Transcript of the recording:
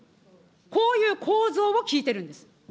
こういう構造を聞いてるんです。